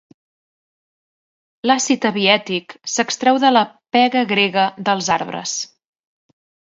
L'àcid abiètic s'extreu de la pega grega dels arbres.